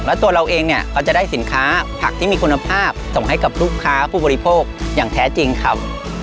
แล้วตัวเราเองเนี่ยก็จะได้สินค้าผักที่มีคุณภาพส่งให้กับลูกค้าผู้บริโภคอย่างแท้จริงครับ